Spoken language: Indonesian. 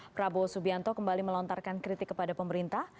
prabowo subianto kembali melontarkan kritik kepada pemerintah